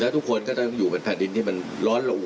ทุกคนก็ต้องอยู่บนแผ่นดินที่มันร้อนลง